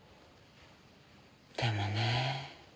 でもね